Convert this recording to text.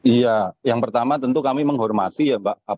iya yang pertama tentu kami menghormati ya mbak